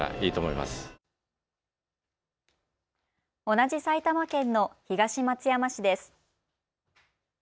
同じ埼玉県の東松山市です。